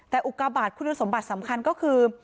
แต่อุกาบาทคุณสมบัติสำคัญก็คือ